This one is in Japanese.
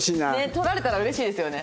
撮られたらうれしいですよね。